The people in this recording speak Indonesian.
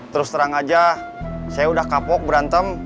terus terang aja saya udah kapok berantem